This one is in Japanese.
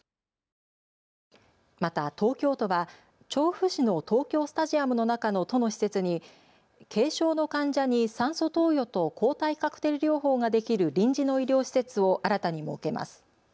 また東京都は調布市の東京スタジアムの中の都の施設に軽症の患者に酸素投与と抗体カクテル療法ができる臨時の医療施設を新たに設けます。